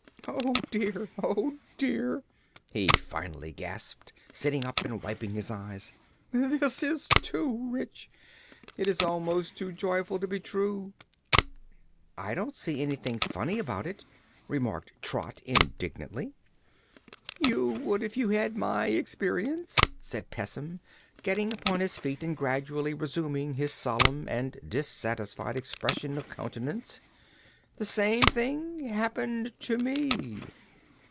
"Oh, dear! Oh, dear!" he finally gasped, sitting up and wiping his eyes. "This is too rich! It's almost too joyful to be true." "I don't see anything funny about it," remarked Trot indignantly. "You would if you'd had my experience," said Pessim, getting upon his feet and gradually resuming his solemn and dissatisfied expression of countenance. "The same thing happened to me."